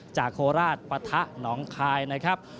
โคราชปะทะหนองคายนะครับ